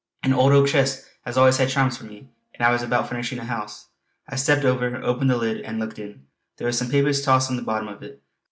An old oak chest has always charms for me, and I was about furnishing a house. I stepped over, opened the lid and looked in; there were some papers tossed on the bottom of it.